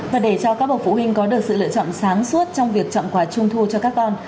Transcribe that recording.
và để cho các bậc phụ huynh có được sự lựa chọn sáng suốt trong việc chọn quà trung thu cho các con